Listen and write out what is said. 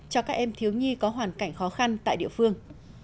cho các em thiếu nhi có hoàn cảnh khó khăn tại địa phương